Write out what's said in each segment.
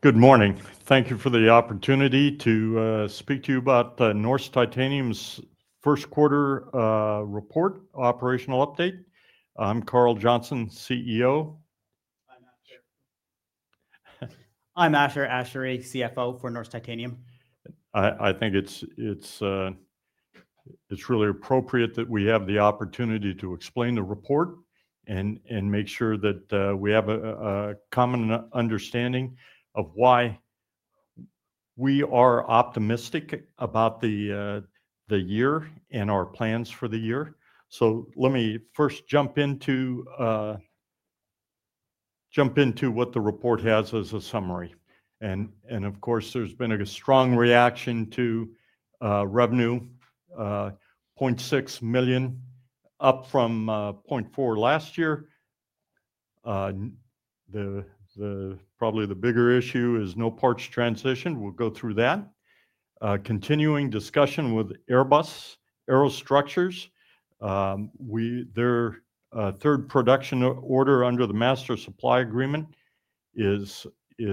Good morning. Thank you for the opportunity to speak to you about Norsk Titanium's first quarter report, operational update. I'm Carl Johnson, CEO. I'm Ashar Ashary, CFO for Norsk Titanium. I think it's really appropriate that we have the opportunity to explain the report and make sure that we have a common understanding of why we are optimistic about the year and our plans for the year. Let me first jump into what the report has as a summary. Of course, there's been a strong reaction to revenue, $0.6 million, up from $0.4 million last year. Probably the bigger issue is no parts transition. We'll go through that. Continuing discussion with Airbus, AeroStructures. Their third production order under the master supply agreement is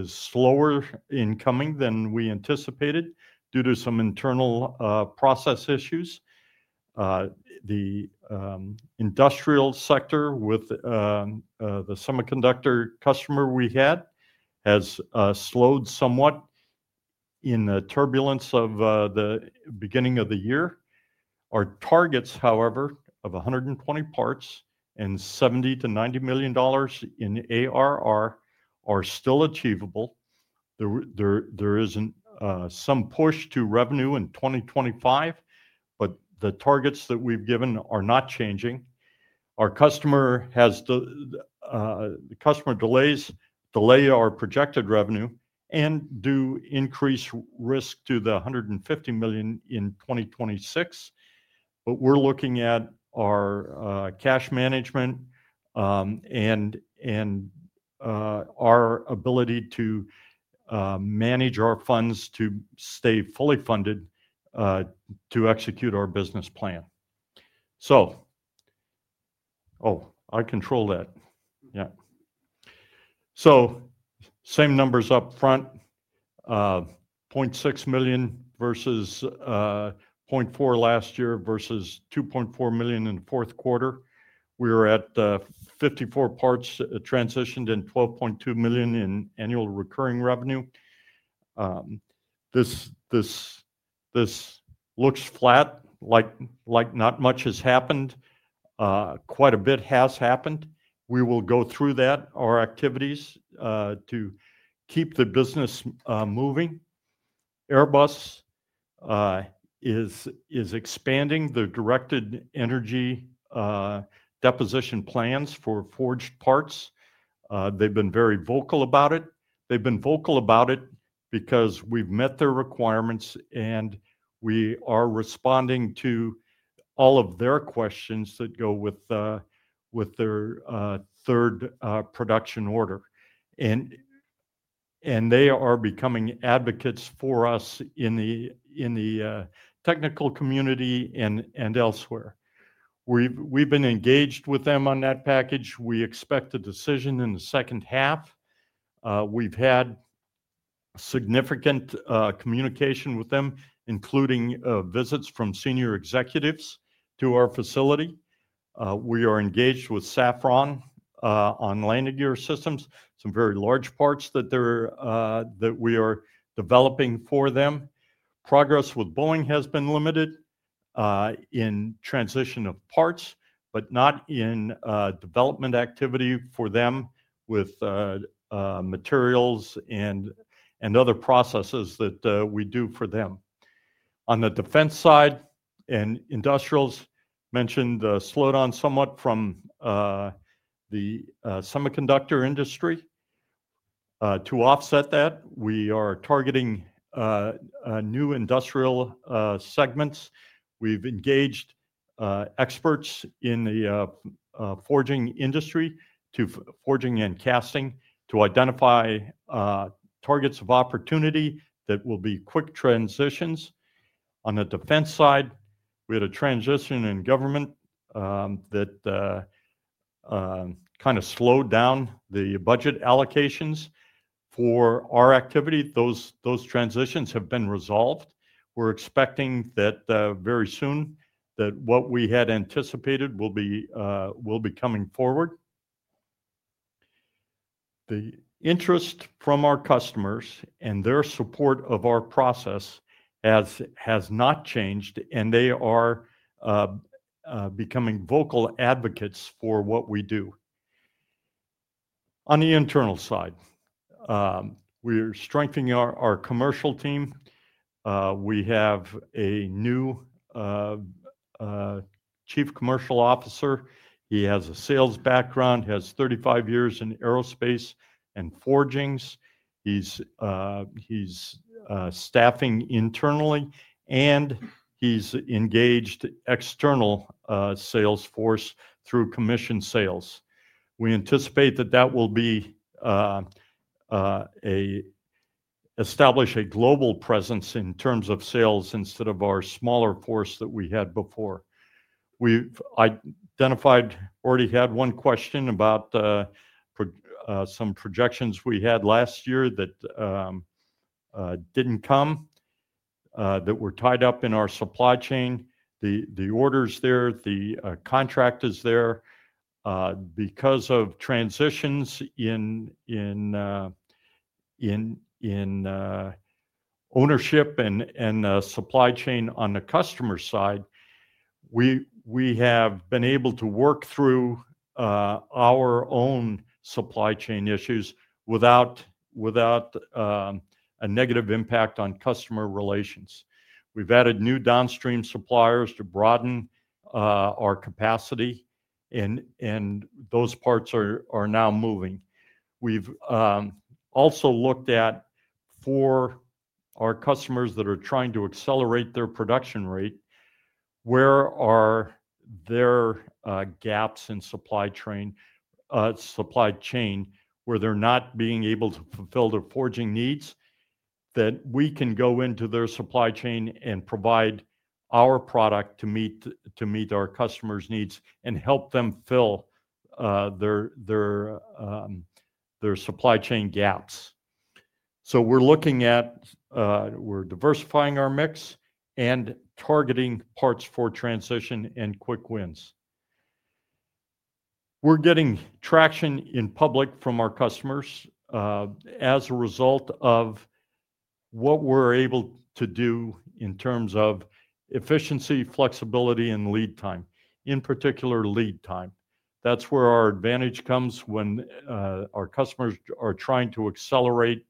slower in coming than we anticipated due to some internal process issues. The industrial sector, with the semiconductor customer we had, has slowed somewhat in the turbulence of the beginning of the year. Our targets, however, of 120 parts and $70-90 million in ARR are still achievable. There is some push to revenue in 2025, but the targets that we've given are not changing. Our customer delays our projected revenue and do increase risk to the $150 million in 2026. We are looking at our cash management and our ability to manage our funds to stay fully funded to execute our business plan. Oh, I control that. Yeah. Same numbers up front, $0.6 million versus $0.4 million last year versus $2.4 million in the fourth quarter. We were at 54 parts transitioned and $12.2 million in annual recurring revenue. This looks flat, like not much has happened. Quite a bit has happened. We will go through that, our activities, to keep the business moving. Airbus is expanding the directed energy deposition plans for forged parts. They've been very vocal about it. They've been vocal about it because we've met their requirements, and we are responding to all of their questions that go with their third production order. They are becoming advocates for us in the technical community and elsewhere. We've been engaged with them on that package. We expect a decision in the second half. We've had significant communication with them, including visits from senior executives to our facility. We are engaged with Safran on landing gear systems, some very large parts that we are developing for them. Progress with Boeing has been limited in transition of parts, but not in development activity for them with materials and other processes that we do for them. On the defense side and industrials, mentioned slowed on somewhat from the semiconductor industry. To offset that, we are targeting new industrial segments. We've engaged experts in the forging industry, forging and casting, to identify targets of opportunity that will be quick transitions. On the defense side, we had a transition in government that kind of slowed down the budget allocations for our activity. Those transitions have been resolved. We're expecting that very soon that what we had anticipated will be coming forward. The interest from our customers and their support of our process has not changed, and they are becoming vocal advocates for what we do. On the internal side, we are strengthening our commercial team. We have a new Chief Commercial Officer. He has a sales background, has 35 years in aerospace and forgings. He's staffing internally, and he's engaged external sales force through commission sales. We anticipate that that will establish a global presence in terms of sales instead of our smaller force that we had before. We've identified, already had one question about some projections we had last year that didn't come, that were tied up in our supply chain, the orders there, the contractors there. Because of transitions in ownership and supply chain on the customer side, we have been able to work through our own supply chain issues without a negative impact on customer relations. We've added new downstream suppliers to broaden our capacity, and those parts are now moving. We've also looked at for our customers that are trying to accelerate their production rate, where are their gaps in supply chain, where they're not being able to fulfill their forging needs, that we can go into their supply chain and provide our product to meet our customers' needs and help them fill their supply chain gaps. We're looking at, we're diversifying our mix and targeting parts for transition and quick wins. We're getting traction in public from our customers as a result of what we're able to do in terms of efficiency, flexibility, and lead time, in particular lead time. That's where our advantage comes when our customers are trying to accelerate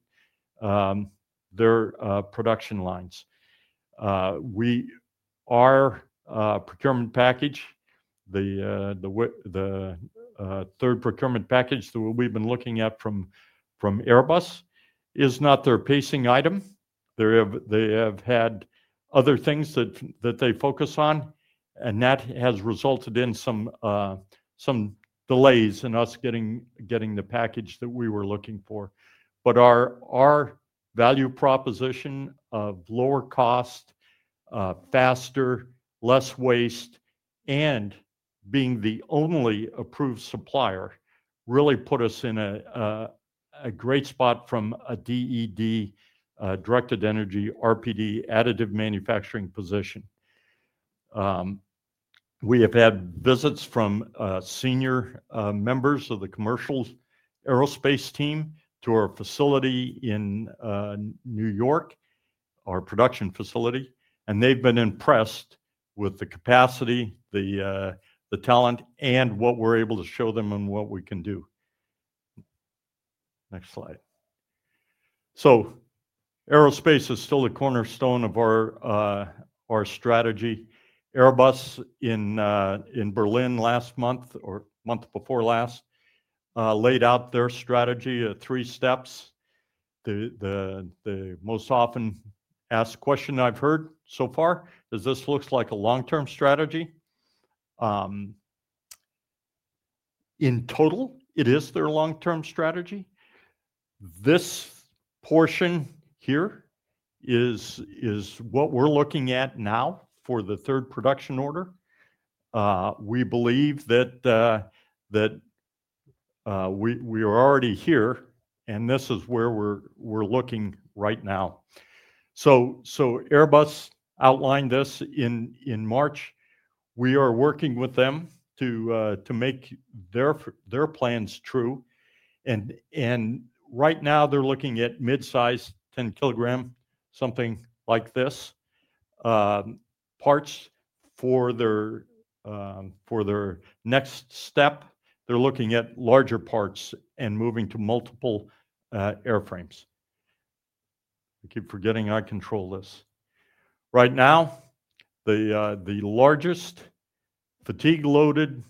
their production lines. Our procurement package, the third procurement package that we've been looking at from Airbus, is not their pacing item. They have had other things that they focus on, and that has resulted in some delays in us getting the package that we were looking for. Our value proposition of lower cost, faster, less waste, and being the only approved supplier really put us in a great spot from a DED, Directed Energy Deposition, RPD, additive manufacturing position. We have had visits from senior members of the commercial aerospace team to our facility in New York, our production facility. They've been impressed with the capacity, the talent, and what we're able to show them and what we can do. Next slide. Aerospace is still the cornerstone of our strategy. Airbus in Berlin last month or the month before last laid out their strategy of three steps. The most often asked question I've heard so far is, "This looks like a long-term strategy." In total, it is their long-term strategy. This portion here is what we're looking at now for the third production order. We believe that we are already here, and this is where we're looking right now. Airbus outlined this in March. We are working with them to make their plans true. Right now, they're looking at mid-size, 10 kg, something like this. Parts for their next step, they're looking at larger parts and moving to multiple airframes. I keep forgetting I control this. Right now, the largest fatigue-loaded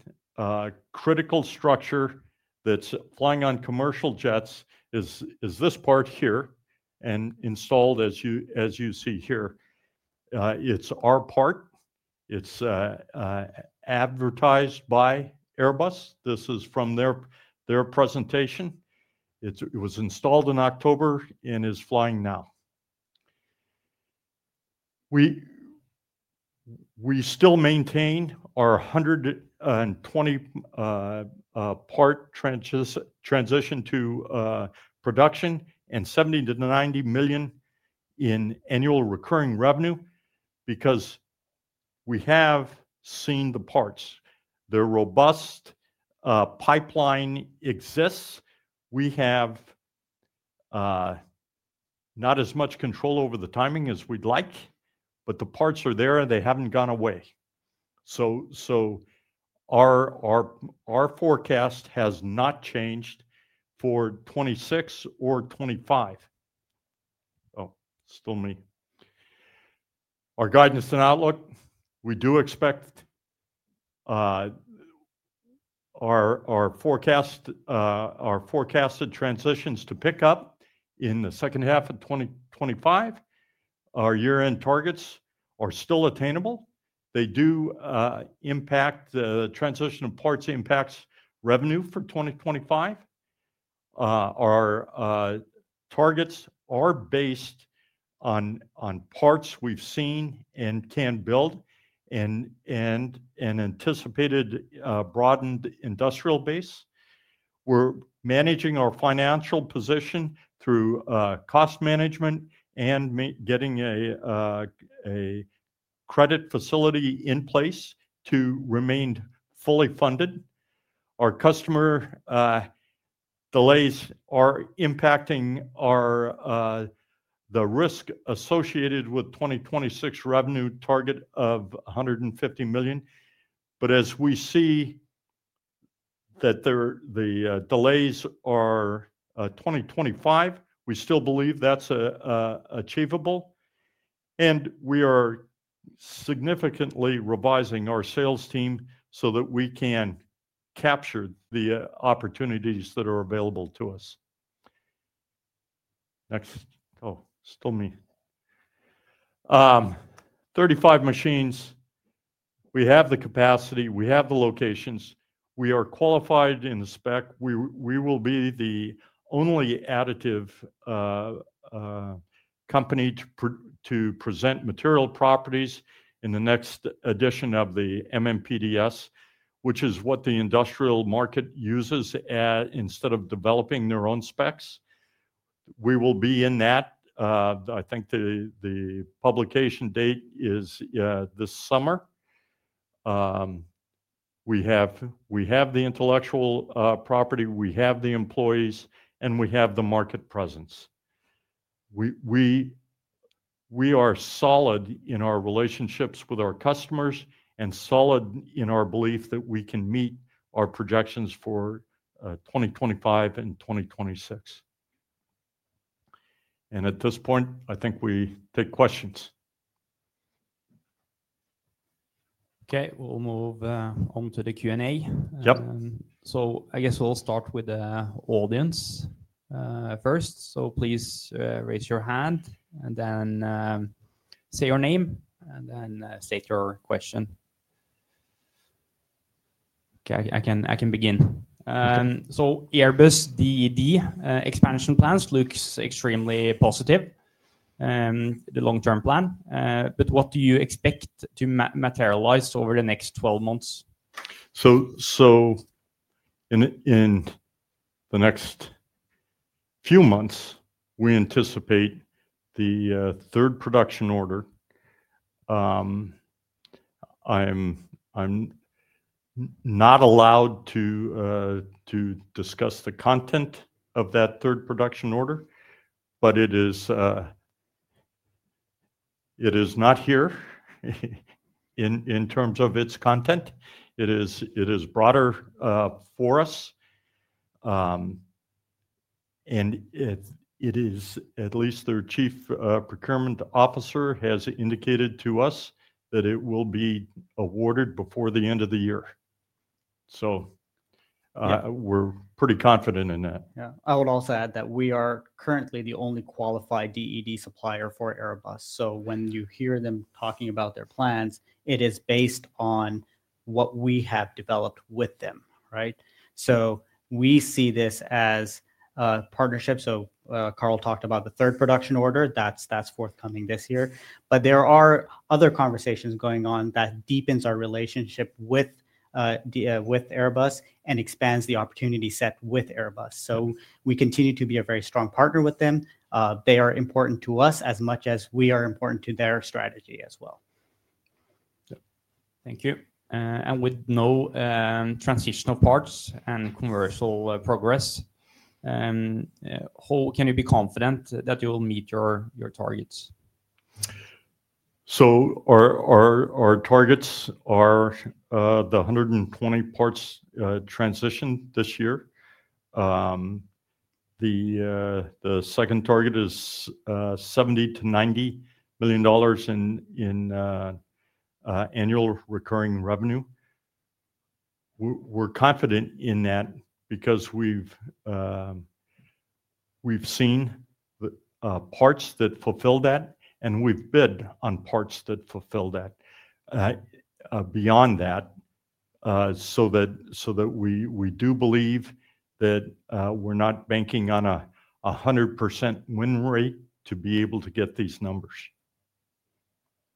critical structure that's flying on commercial jets is this part here and installed, as you see here. It's our part. It's advertised by Airbus. This is from their presentation. It was installed in October and is flying now. We still maintain our 120-part transition to production and $70 million-$90 million in annual recurring revenue because we have seen the parts. The robust pipeline exists. We have not as much control over the timing as we'd like, but the parts are there. They haven't gone away. Our forecast has not changed for 2026 or 2025. Oh, still me. Our guidance and outlook, we do expect our forecasted transitions to pick up in the second half of 2025. Our year-end targets are still attainable. They do impact the transition of parts impacts revenue for 2025. Our targets are based on parts we've seen and can build and anticipated broadened industrial base. We're managing our financial position through cost management and getting a credit facility in place to remain fully funded. Our customer delays are impacting the risk associated with 2026 revenue target of $150 million. As we see that the delays are 2025, we still believe that's achievable. We are significantly revising our sales team so that we can capture the opportunities that are available to us. Next. Oh, still me. Thirty-five machines. We have the capacity. We have the locations. We are qualified in the spec. We will be the only additive company to present material properties in the next edition of the MMPDS, which is what the industrial market uses instead of developing their own specs. We will be in that. I think the publication date is this summer. We have the intellectual property. We have the employees, and we have the market presence. We are solid in our relationships with our customers and solid in our belief that we can meet our projections for 2025 and 2026. At this point, I think we take questions. Okay. We'll move on to the Q&A. I guess we'll start with the audience first. Please raise your hand and then say your name and then state your question. Okay. I can begin. Airbus DED expansion plans look extremely positive, the long-term plan. What do you expect to materialize over the next 12 months? In the next few months, we anticipate the third production order. I'm not allowed to discuss the content of that third production order, but it is not here in terms of its content. It is broader for us. At least their Chief Procurement Officer has indicated to us that it will be awarded before the end of the year. We're pretty confident in that. Yeah. I would also add that we are currently the only qualified DED supplier for Airbus. When you hear them talking about their plans, it is based on what we have developed with them, right? We see this as a partnership. Carl talked about the third production order. That is forthcoming this year. There are other conversations going on that deepen our relationship with Airbus and expand the opportunity set with Airbus. We continue to be a very strong partner with them. They are important to us as much as we are important to their strategy as well. Thank you. And with no transitional parts and commercial progress, can you be confident that you will meet your targets? Our targets are the 120 parts transition this year. The second target is $70 million-$90 million in annual recurring revenue. We're confident in that because we've seen parts that fulfill that, and we've bid on parts that fulfill that beyond that so that we do believe that we're not banking on a 100% win rate to be able to get these numbers.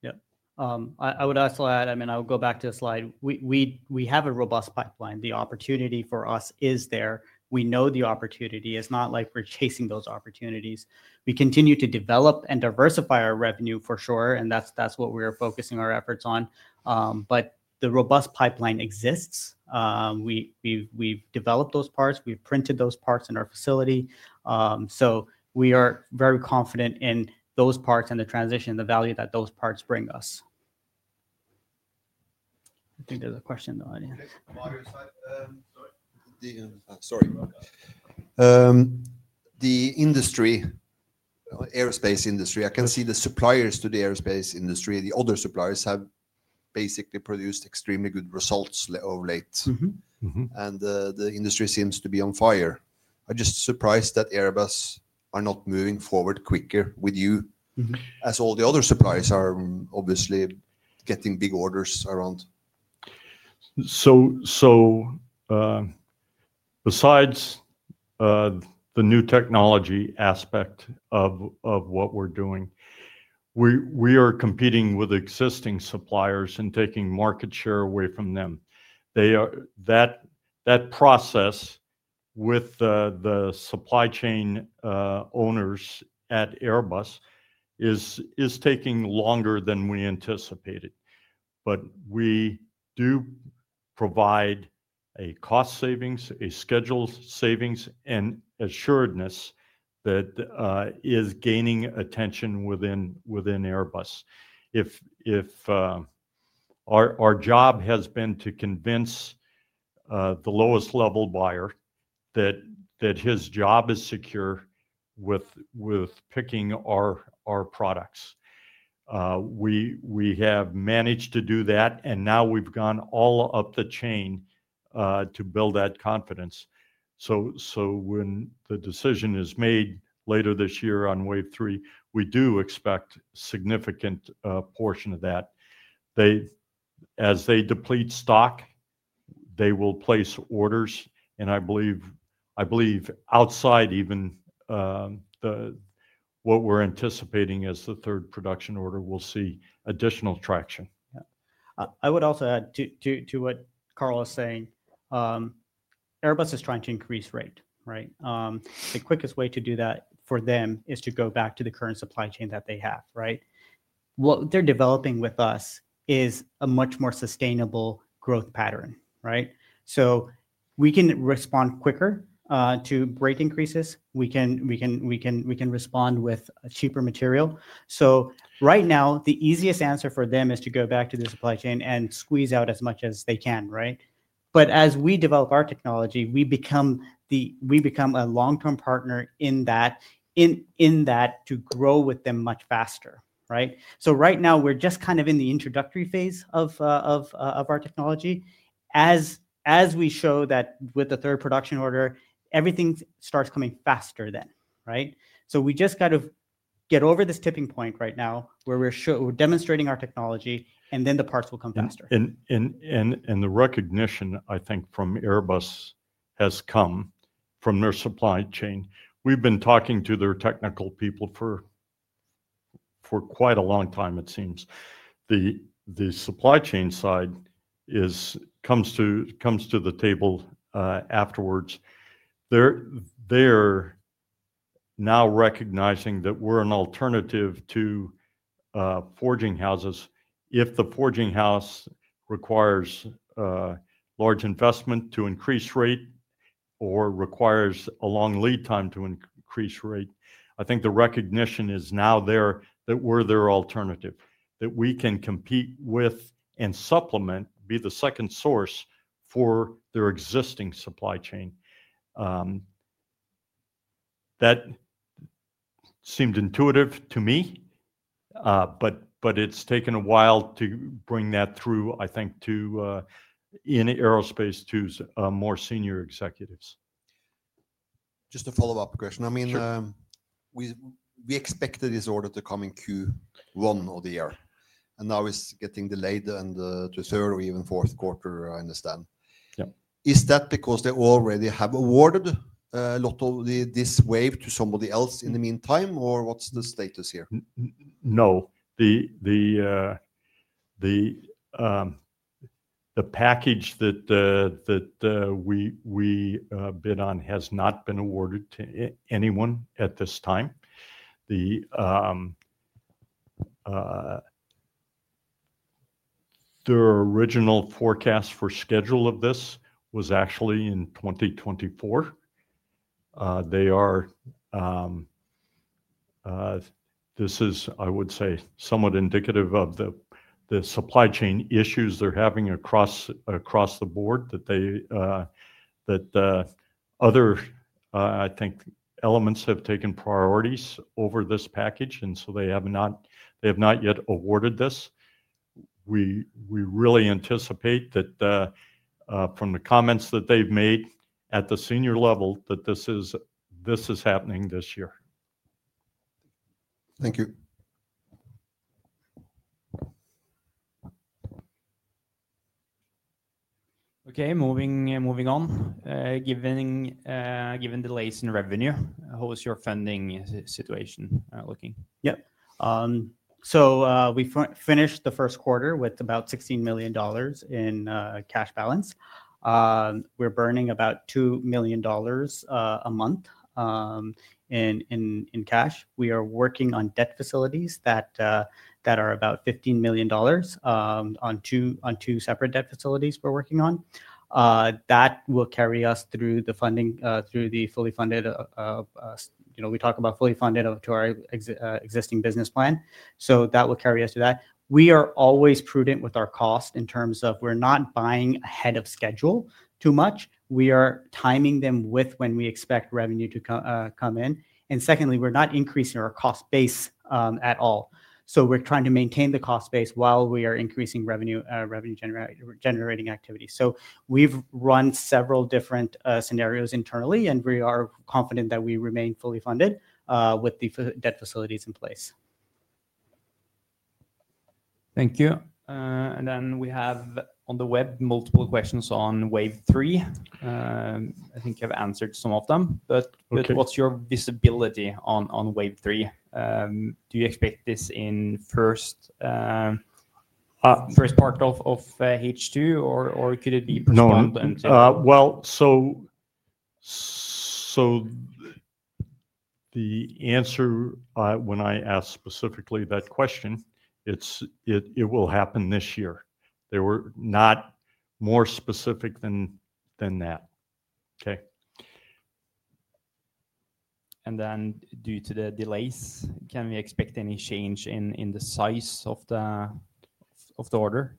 Yeah. I would also add, I mean, I'll go back to the slide. We have a robust pipeline. The opportunity for us is there. We know the opportunity. It's not like we're chasing those opportunities. We continue to develop and diversify our revenue for sure, and that's what we're focusing our efforts on. The robust pipeline exists. We've developed those parts. We've printed those parts in our facility. We are very confident in those parts and the transition and the value that those parts bring us. I think there's a question, though. The industry, aerospace industry, I can see the suppliers to the aerospace industry, the other suppliers have basically produced extremely good results over late. The industry seems to be on fire. I'm just surprised that Airbus are not moving forward quicker with you as all the other suppliers are obviously getting big orders around. Besides the new technology aspect of what we're doing, we are competing with existing suppliers and taking market share away from them. That process with the supply chain owners at Airbus is taking longer than we anticipated. We do provide a cost savings, a schedule savings, and assuredness that is gaining attention within Airbus. Our job has been to convince the lowest level buyer that his job is secure with picking our products. We have managed to do that, and now we've gone all up the chain to build that confidence. When the decision is made later this year on wave three, we do expect a significant portion of that. As they deplete stock, they will place orders. I believe outside even what we're anticipating as the third production order, we'll see additional traction. I would also add to what Carl was saying, Airbus is trying to increase rate, right? The quickest way to do that for them is to go back to the current supply chain that they have, right? What they're developing with us is a much more sustainable growth pattern, right? We can respond quicker to rate increases. We can respond with cheaper material. Right now, the easiest answer for them is to go back to the supply chain and squeeze out as much as they can, right? As we develop our technology, we become a long-term partner in that to grow with them much faster, right? Right now, we're just kind of in the introductory phase of our technology. As we show that with the third production order, everything starts coming faster then, right? We just got to get over this tipping point right now where we're demonstrating our technology, and then the parts will come faster. The recognition, I think, from Airbus has come from their supply chain. We've been talking to their technical people for quite a long time, it seems. The supply chain side comes to the table afterwards. They're now recognizing that we're an alternative to forging houses. If the forging house requires large investment to increase rate or requires a long lead time to increase rate, I think the recognition is now there that we're their alternative, that we can compete with and supplement, be the second source for their existing supply chain. That seemed intuitive to me, but it's taken a while to bring that through, I think, in aerospace to more senior executives. Just a follow-up question. I mean, we expected this order to come in Q1 of the year, and now it's getting delayed into the third or even fourth quarter, I understand. Is that because they already have awarded a lot of this wave to somebody else in the meantime, or what's the status here? No. The package that we bid on has not been awarded to anyone at this time. Their original forecast for schedule of this was actually in 2024. This is, I would say, somewhat indicative of the supply chain issues they're having across the board, that other, I think, elements have taken priorities over this package, and so they have not yet awarded this. We really anticipate that from the comments that they've made at the senior level, that this is happening this year. Thank you. Okay. Moving on. Given delays in revenue, how is your funding situation looking? Yeah. So we finished the first quarter with about $16 million in cash balance. We're burning about $2 million a month in cash. We are working on debt facilities that are about $15 million on two separate debt facilities we're working on. That will carry us through the funding, through the fully funded. We talk about fully funded to our existing business plan. That will carry us to that. We are always prudent with our cost in terms of we're not buying ahead of schedule too much. We are timing them with when we expect revenue to come in. Secondly, we're not increasing our cost base at all. We are trying to maintain the cost base while we are increasing revenue-generating activities. We have run several different scenarios internally, and we are confident that we remain fully funded with the debt facilities in place. Thank you. We have on the web multiple questions on wave three. I think you have answered some of them. What is your visibility on wave three? Do you expect this in the first part of H2, or could it be postponed until? The answer when I ask specifically that question, it will happen this year. They were not more specific than that. Okay. Due to the delays, can we expect any change in the size of the order?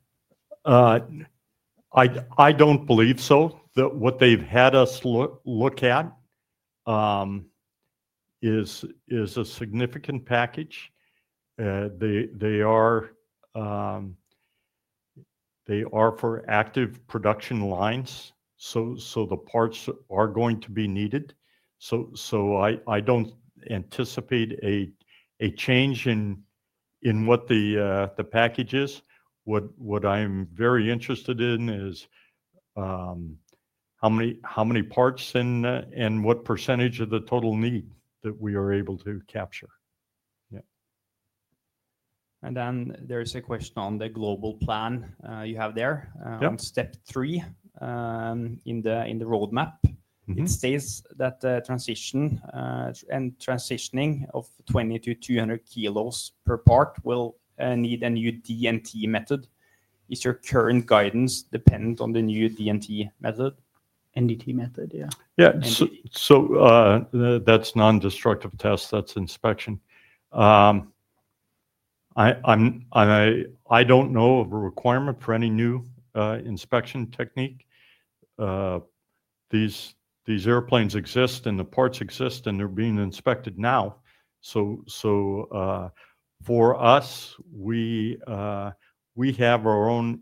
I don't believe so. What they've had us look at is a significant package. They are for active production lines, so the parts are going to be needed. I don't anticipate a change in what the package is. What I'm very interested in is how many parts and what percentage of the total need that we are able to capture. Yeah. There is a question on the global plan you have there on step three in the roadmap. It says that the transition and transitioning of 20-200 kg per part will need a new TNT method. Is your current guidance dependent on the new DMT method? NDT method, yeah. Yeah. So that's non-destructive test. That's inspection. I don't know of a requirement for any new inspection technique. These airplanes exist, and the parts exist, and they're being inspected now. For us, we have our own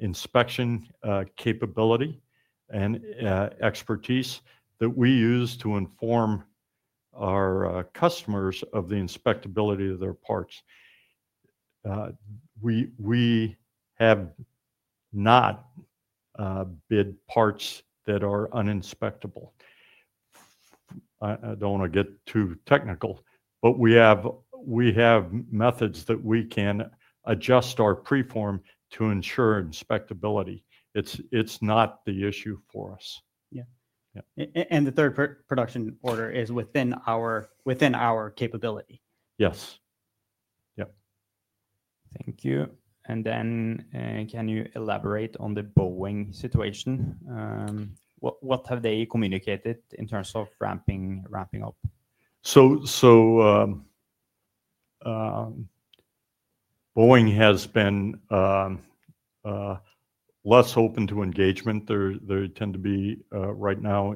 inspection capability and expertise that we use to inform our customers of the inspectability of their parts. We have not bid parts that are uninspectable. I don't want to get too technical, but we have methods that we can adjust our preform to ensure inspectability. It's not the issue for us. Yeah. The third production order is within our capability. Yes. Yeah. Thank you. Can you elaborate on the Boeing situation? What have they communicated in terms of ramping up? Boeing has been less open to engagement. They tend to be right now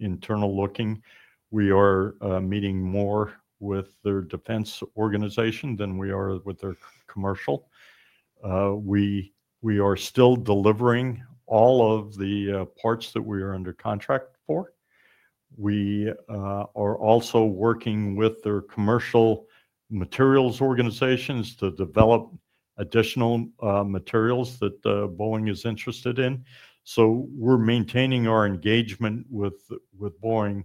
internal looking. We are meeting more with their defense organization than we are with their commercial. We are still delivering all of the parts that we are under contract for. We are also working with their commercial materials organizations to develop additional materials that Boeing is interested in. We are maintaining our engagement with Boeing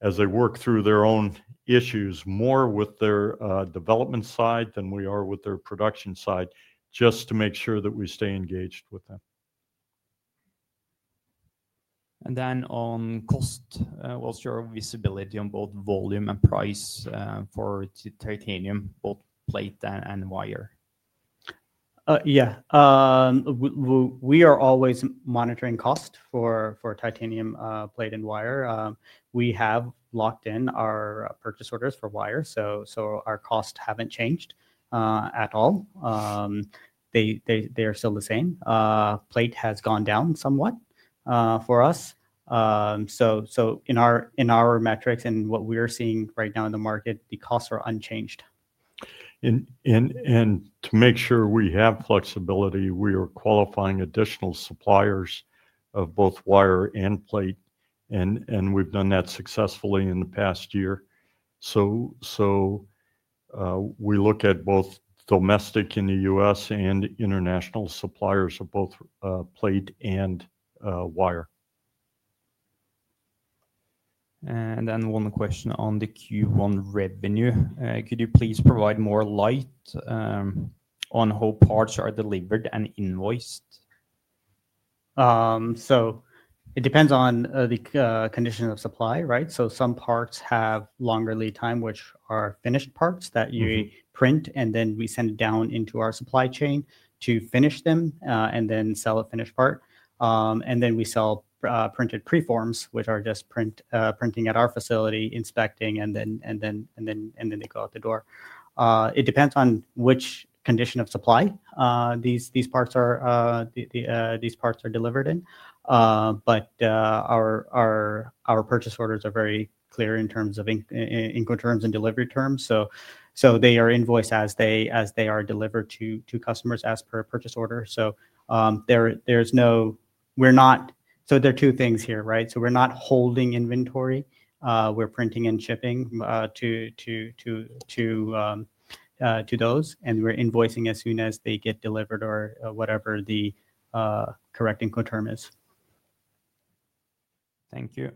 as they work through their own issues more with their development side than we are with their production side just to make sure that we stay engaged with them. On cost, what's your visibility on both volume and price for titanium, both plate and wire? Yeah. We are always monitoring cost for titanium plate and wire. We have locked in our purchase orders for wire, so our costs haven't changed at all. They are still the same. Plate has gone down somewhat for us. In our metrics and what we are seeing right now in the market, the costs are unchanged. To make sure we have flexibility, we are qualifying additional suppliers of both wire and plate, and we've done that successfully in the past year. We look at both domestic in the U.S. and international suppliers of both plate and wire. One question on the Q1 revenue. Could you please provide more light on how parts are delivered and invoiced? It depends on the condition of supply, right? Some parts have longer lead time, which are finished parts that you print, and then we send it down into our supply chain to finish them and then sell a finished part. We also sell printed preforms, which are just printing at our facility, inspecting, and then they go out the door. It depends on which condition of supply these parts are delivered in. Our purchase orders are very clear in terms of incoterms and delivery terms. They are invoiced as they are delivered to customers as per purchase order. There are two things here, right? We are not holding inventory. We're printing and shipping to those, and we're invoicing as soon as they get delivered or whatever the correct ink term is. Thank you.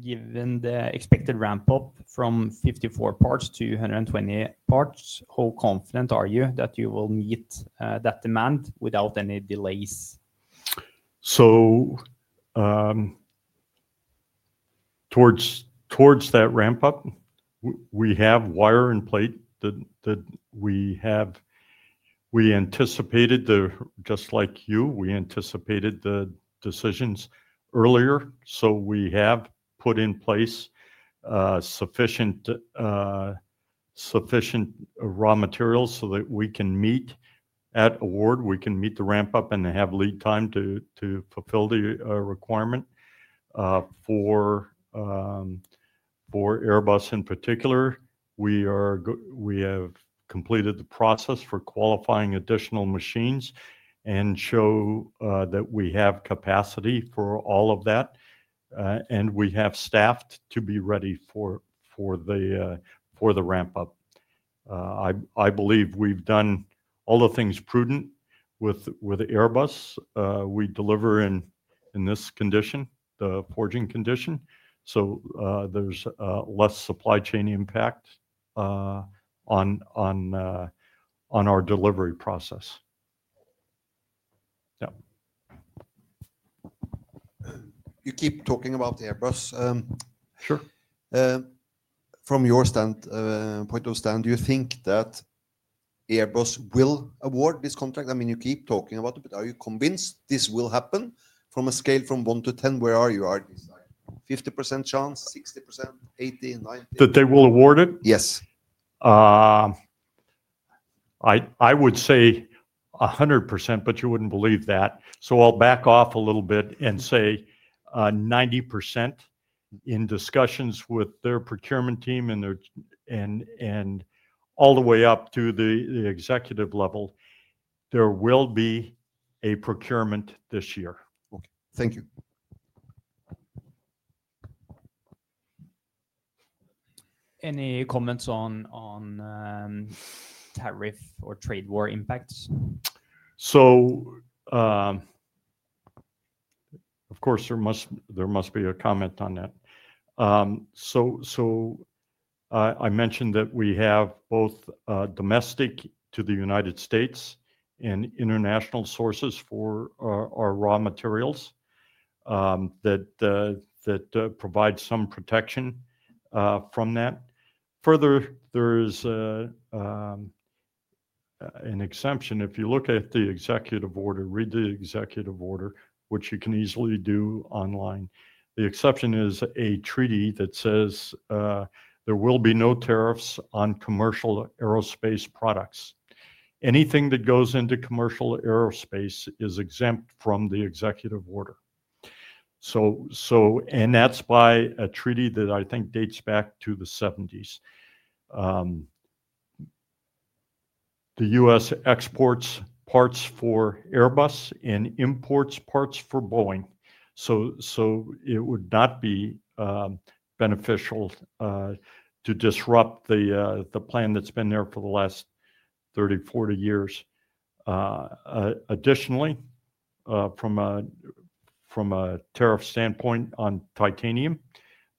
Given the expected ramp-up from 54 parts to 120 parts, how confident are you that you will meet that demand without any delays? Towards that ramp-up, we have wire and plate that we have—we anticipated the—just like you, we anticipated the decisions earlier. We have put in place sufficient raw materials so that we can meet at award, we can meet the ramp-up, and have lead time to fulfill the requirement. For Airbus in particular, we have completed the process for qualifying additional machines and show that we have capacity for all of that, and we have staffed to be ready for the ramp-up. I believe we've done all the things prudent with Airbus. We deliver in this condition, the forging condition, so there's less supply chain impact on our delivery process. Yeah. You keep talking about Airbus. Sure. From your point of stand, do you think that Airbus will award this contract? I mean, you keep talking about it, but are you convinced this will happen? From a scale from 1 to 10, where are you? 50% chance, 60%, 80, 90? That they will award it? Yes. I would say 100%, but you wouldn't believe that. So I'll back off a little bit and say 90% in discussions with their procurement team and all the way up to the executive level, there will be a procurement this year. Okay. Thank you. Any comments on tariff or trade war impacts? Of course, there must be a comment on that. I mentioned that we have both domestic to the United States and international sources for our raw materials that provide some protection from that. Further, there's an exemption. If you look at the executive order, read the executive order, which you can easily do online, the exception is a treaty that says there will be no tariffs on commercial aerospace products. Anything that goes into commercial aerospace is exempt from the executive order. That's by a treaty that I think dates back to the 1970s. The U.S. exports parts for Airbus and imports parts for Boeing. It would not be beneficial to disrupt the plan that's been there for the last 30-40 years. Additionally, from a tariff standpoint on titanium,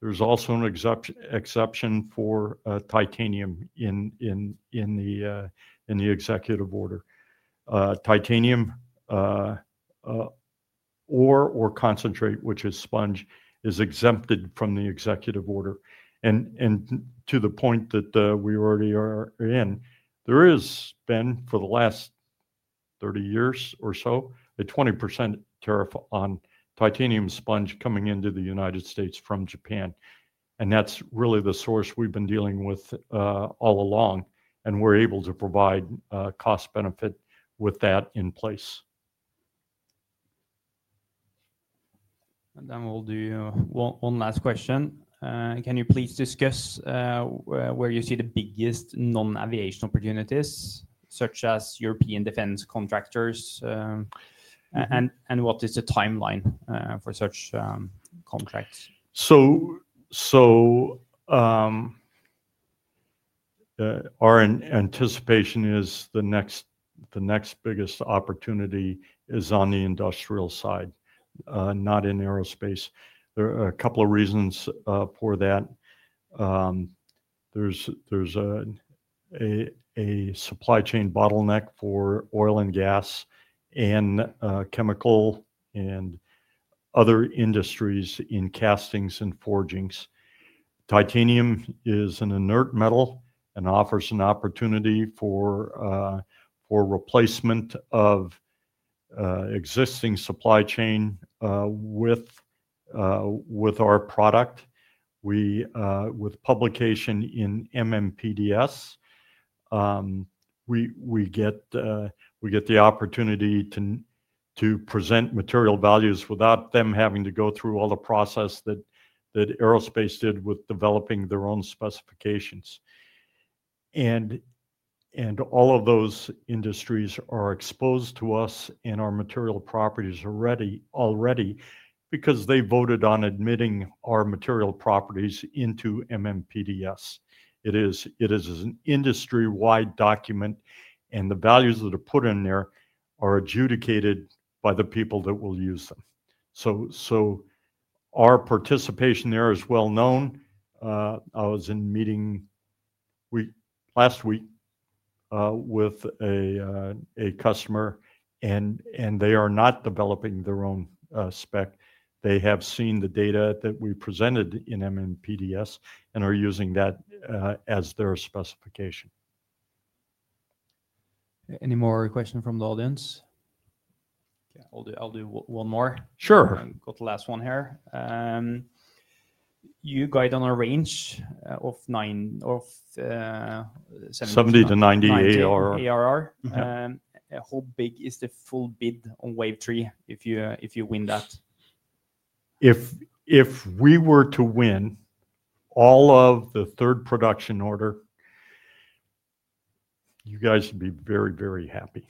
there's also an exception for titanium in the executive order. Titanium or concentrate, which is sponge, is exempted from the executive order. To the point that we already are in, there has been for the last 30 years or so a 20% tariff on titanium sponge coming into the United States from Japan. That's really the source we've been dealing with all along, and we're able to provide cost benefit with that in place. We'll do one last question. Can you please discuss where you see the biggest non-aviation opportunities, such as European defense contractors, and what is the timeline for such contracts? Our anticipation is the next biggest opportunity is on the industrial side, not in aerospace. There are a couple of reasons for that. There's a supply chain bottleneck for oil and gas and chemical and other industries in castings and forgings. Titanium is an inert metal and offers an opportunity for replacement of existing supply chain with our product. With publication in MMPDS, we get the opportunity to present material values without them having to go through all the process that aerospace did with developing their own specifications. All of those industries are exposed to us and our material properties already because they voted on admitting our material properties into MMPDS. It is an industry-wide document, and the values that are put in there are adjudicated by the people that will use them. Our participation there is well known. I was in meeting last week with a customer, and they are not developing their own spec. They have seen the data that we presented in MMPDS and are using that as their specification. Any more questions from the audience? Yeah, I'll do one more. Sure. Got the last one here. You guide on a range of $70-$90 ARR. How big is the full bid on wave three if you win that? If we were to win all of the third production order, you guys would be very, very happy.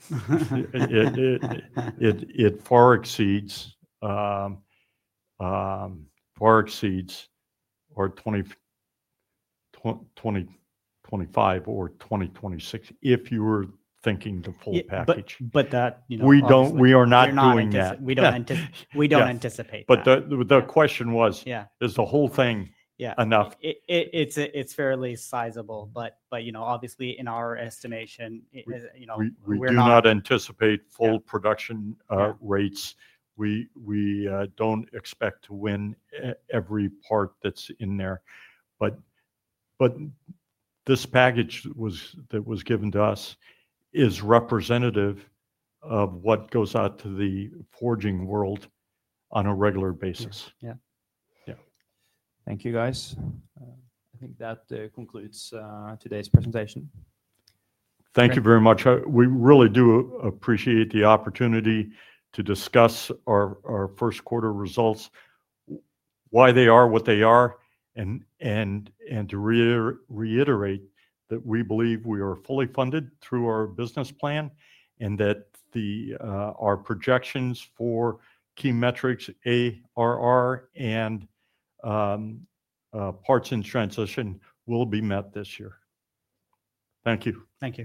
It far exceeds our 2025 or 2026 if you were thinking the full package. But that. We are not doing that. We don't anticipate that. The question was, is the whole thing enough? It's fairly sizable, but obviously, in our estimation, we're not. We do not anticipate full production rates. We don't expect to win every part that's in there. This package that was given to us is representative of what goes out to the forging world on a regular basis. Yeah. Thank you, guys. I think that concludes today's presentation. Thank you very much. We really do appreciate the opportunity to discuss our first quarter results, why they are what they are, and to reiterate that we believe we are fully funded through our business plan and that our projections for key metrics, ARR and parts in transition, will be met this year. Thank you. Thank you.